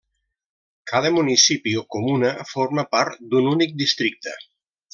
Cada municipi o comuna forma part d'un únic districte.